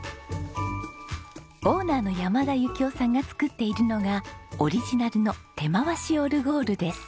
オーナーの山田幸男さんが作っているのがオリジナルの手回しオルゴールです。